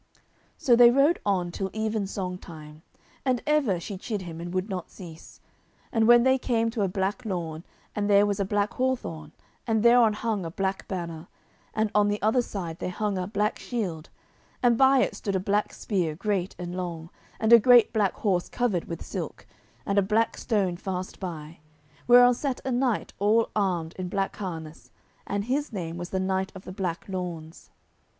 So they rode on till even song time, and ever she chid him and would not cease. And then they came to a black lawn, and there was a black hawthorn, and thereon hung a black banner, and on the other side there hung a black shield, and by it stood a black spear great and long, and a great black horse covered with silk, and a black stone fast by, whereon sat a knight all armed in black harness, and his name was the Knight of the Black Lawns.